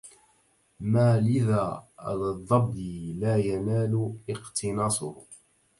ما لذا الظبي لاينال إقتناصه